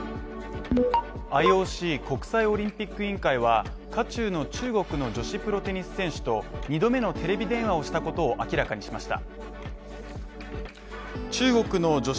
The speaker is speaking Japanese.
ＩＯＣ＝国際オリンピック委員会は、渦中の中国の女子プロテニス選手と２度目のテレビ電話をしたことを明らかにしました。